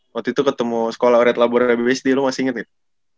waktu itu ketemu sekolah oriat labur abbsd lu masih inget gitu